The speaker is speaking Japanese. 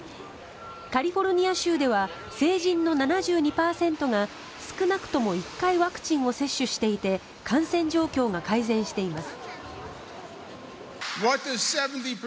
カリフォルニア州では成人の７２％が少なくとも１回ワクチンを接種していて感染状況が改善しています。